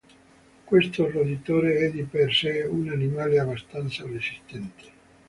Questo roditore è di per sé un animale abbastanza resistente.